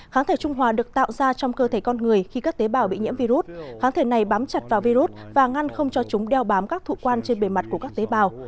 kháng thể trung hòa được tạo ra trong cơ thể con người khi các tế bào bị nhiễm virus kháng thể này bám chặt vào virus và ngăn không cho chúng đeo bám các thụ quan trên bề mặt của các tế bào